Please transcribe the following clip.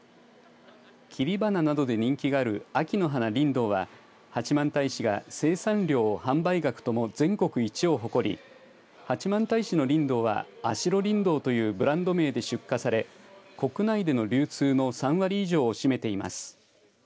切り花などで人気がある秋の花リンドウは八幡平市が生産量、販売額とも全国一を誇り八幡平市のリンドウは安代りんどうというブランド名で出荷され国内での流通の３割以上を占めています。